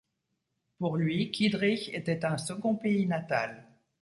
Pour lui Kiedrich était un second pays natal.